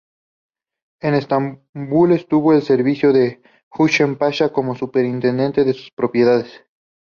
En Estambul estuvo al servicio de Husein Pasha como superintendente de sus propiedades.